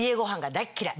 大っ嫌い！